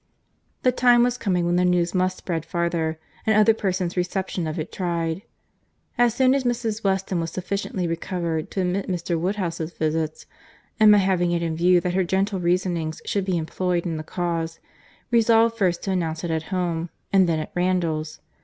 '" The time was coming when the news must spread farther, and other persons' reception of it tried. As soon as Mrs. Weston was sufficiently recovered to admit Mr. Woodhouse's visits, Emma having it in view that her gentle reasonings should be employed in the cause, resolved first to announce it at home, and then at Randalls.